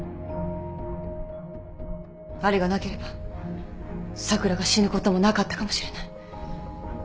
あれがなければ咲良が死ぬこともなかったかもしれない。